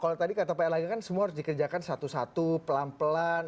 kalau tadi kata pak erlangga kan semua harus dikerjakan satu satu pelan pelan